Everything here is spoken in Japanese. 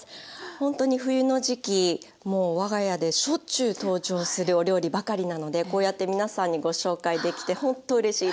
ほんとに冬の時期もう我が家でしょっちゅう登場するお料理ばかりなのでこうやって皆さんにご紹介できてほんとうれしいですはい。